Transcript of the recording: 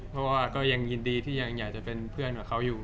เพราะว่าก็ยังยินดีที่ยังอยากจะเป็นเพื่อนกับเขาอยู่